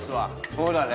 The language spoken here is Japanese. そうだね。